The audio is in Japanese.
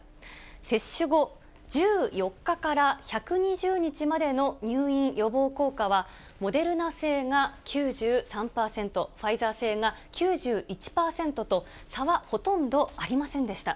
接種後１４日から１２０日までの入院予防効果は、モデルナ製が９３％、ファイザー製が９１％と、差はほとんどありませんでした。